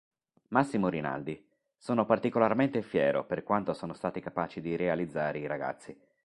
Massimo Rinaldi: "Sono particolarmente fiero per quanto sono stati capaci di realizzare i ragazzi.